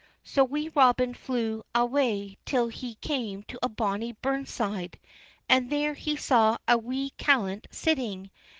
So Wee Robin flew awa' till he came to a bonny burn side, and there he saw a wee callant sitting.